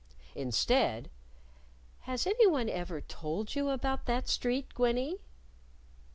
Instead, "Has anyone ever told you about that street, Gwennie?"